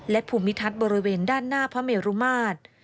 และภูมิทัศน์บริเวณด้านหน้าพระเมรุมาตร